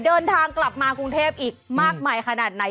เดินทางกลับมากรุงเทพอีกมากมายขนาดไหน